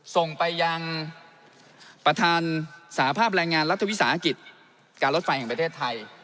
ส่งไปยังประธานสาภาพแรงงานรัฐวิสาหกิจการรถไฟแห่งประเทศไทย